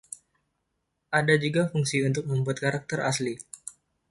Ada juga fungsi untuk membuat karakter asli.